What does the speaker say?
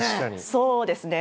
そうですね。